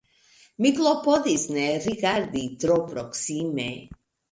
Mi klopodis ne rigardi tro proksime.